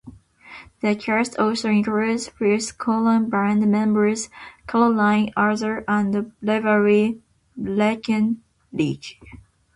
The cast also includes Fifth Column band members Caroline Azar and Beverly Breckenridge.